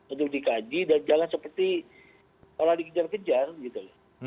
untuk dikaji dan jangan seperti orang dikejar kejar gitu loh